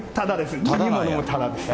飲み物もただです。